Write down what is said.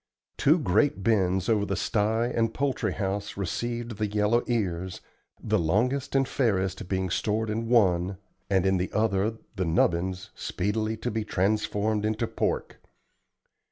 Two great bins over the sty and poultry house received the yellow ears, the longest and fairest being stored in one, and in the other the "nubbin's," speedily to be transformed into pork.